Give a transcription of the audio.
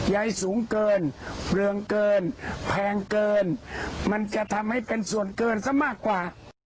ใยสูงเกินเปลืองเกินแพงเกินมันจะทำให้เป็นส่วนเกินซะมากกว่า